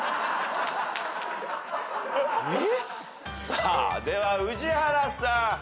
さあでは宇治原さん。